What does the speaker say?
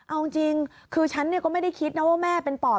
เอาจริงคือฉันก็ไม่ได้คิดนะว่าแม่เป็นปอด